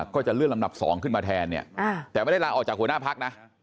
ก็จะเลื่อนลำดับ๒ขึ้นมาแทนเนี่ยแต่ไม่ได้ลาออกจากหัวหน้าพักนะ